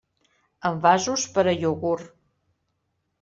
Envasos per a iogurt.